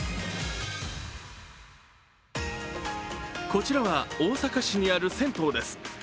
こちらは大阪市にある銭湯です。